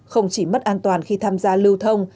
không chỉ mất an toàn khi tham gia lưu thông